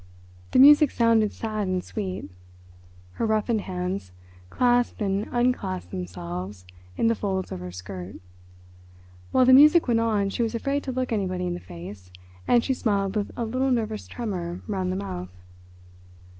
The music sounded sad and sweet. Her roughened hands clasped and unclasped themselves in the folds of her skirt. While the music went on she was afraid to look anybody in the face, and she smiled with a little nervous tremor round the mouth.